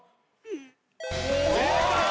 正解！